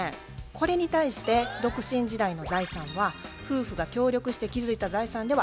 これに対して独身時代の財産は夫婦が協力して築いた財産ではありません。